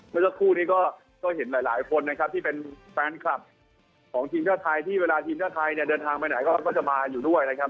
เมื่อสักครู่นี้ก็เห็นหลายคนนะครับที่เป็นแฟนคลับของทีมชาติไทยที่เวลาทีมชาติไทยเนี่ยเดินทางไปไหนก็จะมาอยู่ด้วยนะครับ